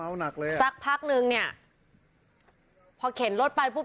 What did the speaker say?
โอ้เม้าหนักเลยอ่ะสักพักหนึ่งพอเข็นรถไปปุ๊บ